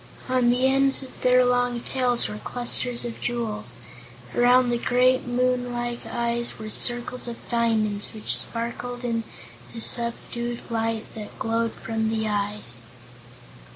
On the ends of their long tails were clusters of jewels. Around the great, moon like eyes were circles of diamonds which sparkled in the subdued light that glowed from the eyes.